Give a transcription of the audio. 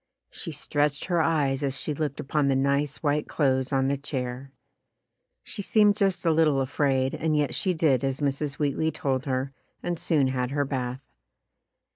She stretched her eyes as she looked upon the nice white clothes on the chair. She seemed just a little afraid and yet she did as Mrs. Wheatley told her and soon had her bath.